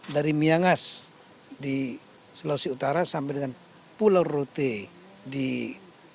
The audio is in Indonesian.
dari miangas di sulawesi utara sampai dengan pulau rote di indonesia